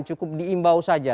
cukup diimbau saja